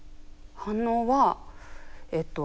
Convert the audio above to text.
反応はえっと友達。